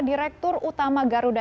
direktur utama garuda